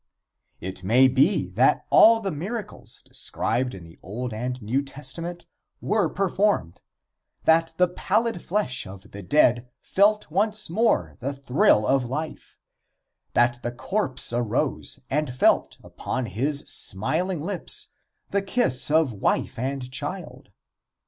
It may be that all the miracles described in the Old and New Testament were performed; that the pallid flesh of the dead felt once more the thrill of life; that the corpse arose and felt upon his smiling lips the kiss of wife and child.